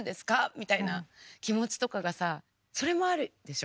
みたいな気持ちとかがさそれもあるでしょ？